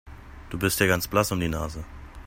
Du bist ja ganz blass um die Nase.